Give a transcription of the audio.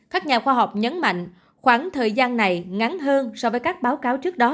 các nhà khoa học nhấn mạnh khoảng thời gian này ngắn hơn so với các báo cáo trước đó